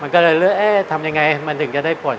มันก็เลยเลือกเอ๊ะทำยังไงมันถึงจะได้ผล